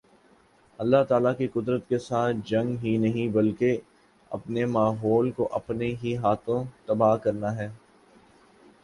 اللہ تعالی کی قدرت کے ساتھ جنگ ہی نہیں بلکہ اپنے ماحول کو اپنے ہی ہاتھوں تباہ کرنا ہے